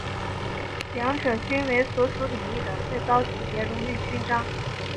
两者均为所属领域的最高级别荣誉勋章。